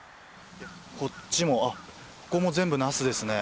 こっちもここも全部ナスですね。